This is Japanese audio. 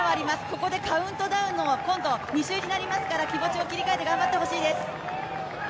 ここでカウントダウンの２周となりますから気持ちを切り替えて頑張ってほしいです。